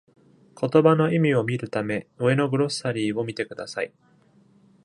言葉の意味を見るため、上のグロッサリーを見てください。